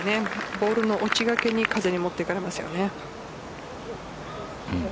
ボールの落ちがけに風に持っていかれますよね。